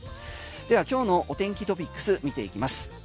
では今日のお天気トピックス見ていきます。